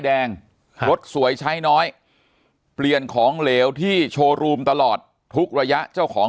แดงรถสวยใช้น้อยเปลี่ยนของเหลวที่โชว์รูมตลอดทุกระยะเจ้าของ